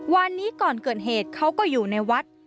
วันนี้ก่อนเกิดเหตุเขาก็อยู่ในวัด